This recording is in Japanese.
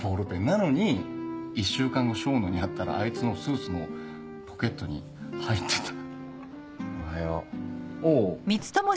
なのに一週間後笙野に会ったらあいつのスーツのポケットに入ってた。